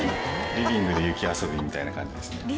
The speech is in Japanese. リビングで雪遊びみたいな感じですね。